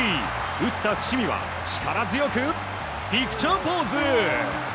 打った伏見は力強くピクチャーポーズ！